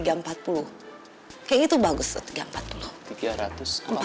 kayaknya itu bagus tuh rp tiga ratus empat puluh